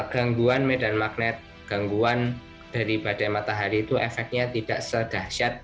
gangguan medan magnet gangguan dari badai matahari itu efeknya tidak sedahsyat